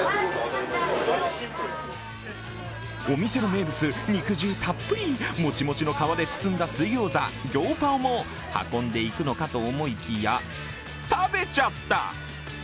お店の名物、肉汁たっぷり、もちもちの皮で包んだ水ギョーザ餃包も運んでいくのかと思いきや食べちゃった！